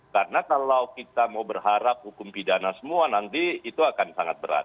karena kalau kita mau berharap hukum pidana semua nanti itu akan sangat berat